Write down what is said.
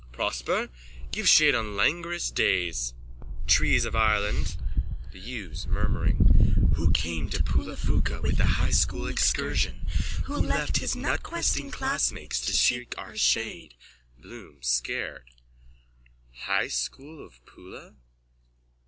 _ Prosper! Give shade on languorous days, trees of Ireland! THE YEWS: (Murmuring.) Who came to Poulaphouca with the High School excursion? Who left his nutquesting classmates to seek our shade? BLOOM: (Scared.) High School of Poula?